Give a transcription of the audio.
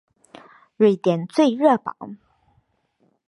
瑞典最热榜。